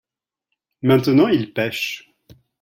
maintenant ils pêchent.